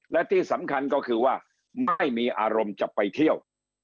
และที่สำคัญก็คือว่าไม่มีอารมณ์จะไปเที่ยว